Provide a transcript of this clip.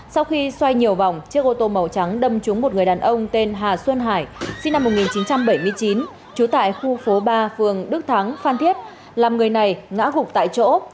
sau khi xoay nhiều vòng chiếc ô tô màu trắng đâm trúng một người đàn ông tên hà xuân hải sinh năm một nghìn chín trăm bảy mươi chín trú tại khu phố ba phường đức thắng phan thiết làm người này ngã gục tại chỗ